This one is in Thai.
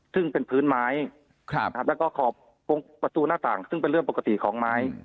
ซึ่งเป็นพื้นไม้แล้วก็ขอบประตูหน้าต่างซึ่งเป็นเรื่องปกติของไม้